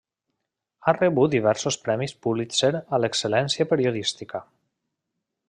Ha rebut diversos Premis Pulitzer a l'excel·lència periodística.